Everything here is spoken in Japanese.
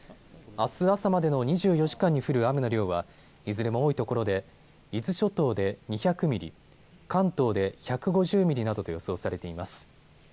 あす朝までの２４時間に降る雨の量はいずれも多いところで伊豆諸島で２００ミリ、関東で１５０ミリなどと予想されています。